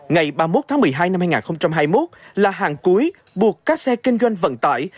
ngày ba mươi một tháng một mươi hai năm hai nghìn hai mươi một là hàng cuối buộc các xe kinh doanh vận tải